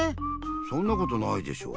そんなことないでしょ。